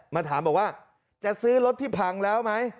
มาถามบอกว่าจะซื้อรถที่พังแล้วไหม